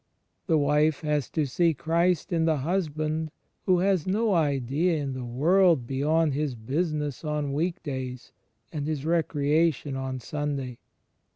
The wife has to see Christ in the husband who has no idea in the world beyond his business on week days and his recreation on Simday.